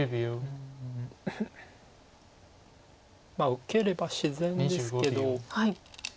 受ければ自然ですけど。